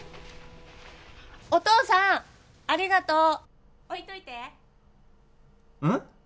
お父さーんありがとう置いといてうん？